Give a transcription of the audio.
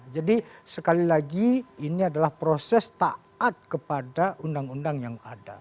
jadi sekali lagi ini adalah proses taat kepada undang undang yang ada